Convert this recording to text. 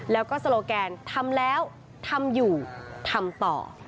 แล้วก็โซโลแกนทำแล้วทำอยู่ทำต่อ